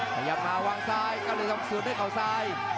พยายามมาวางซ้ายก้าวเหลือต้องสืบด้วยเก่าซ้าย